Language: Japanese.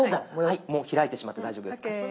もう開いてしまって大丈夫です。ＯＫ！